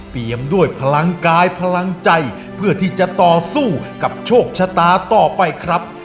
ด้วยพลังกายพลังใจเพื่อที่จะต่อสู้กับโชคชะตาต่อไปครับ